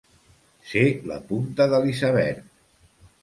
Ser la punta de l'iceberg.